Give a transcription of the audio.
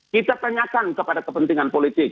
kita tanyakan kepada kepentingan politik